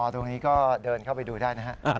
ตรงนี้ก็เดินเข้าไปดูได้นะฮะ